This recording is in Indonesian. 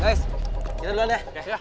guys kita dulu deh